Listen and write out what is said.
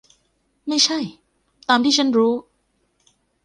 ไม่ใช่ตามที่ฉันรู้